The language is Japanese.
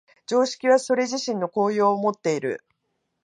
常識はそれ自身の効用をもっている。